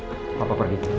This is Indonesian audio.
mereka sendiri bisa berusaha